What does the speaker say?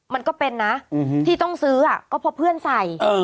มันก็เป็นนะที่ต้องซื้อก็เพราะเพื่อนใส่